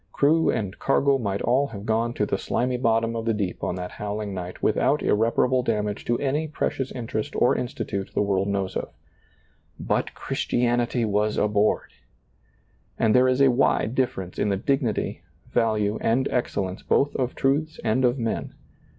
Crew and cargo might all have gone to the slimy bottom of the deep on that howling night without irreparable damage to any precious interest or institute the world knows of. But Christianity was aboard! And there is a wide difference in the dignity, value and excellence both of truths and of men.